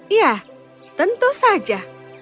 iya tentu saja